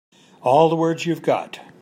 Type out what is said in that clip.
All the words you've got.